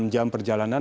enam jam perjalanan